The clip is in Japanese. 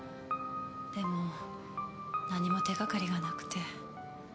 でも何も手がかりがなくて。